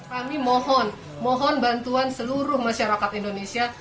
kami mohon mohon bantuan seluruh masyarakat indonesia